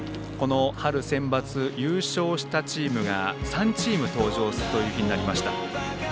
春センバツ、優勝したチームが３チーム登場するという日になりました。